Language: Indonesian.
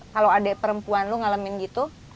kalau adik perempuan lu ngalamin gitu